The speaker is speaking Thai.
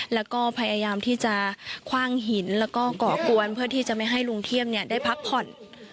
แล้วก็พยายามที่จะคว่างหินแล้วก็ก่อกวนเพื่อที่จะไม่ให้ลุงเทียมได้พักผ่อน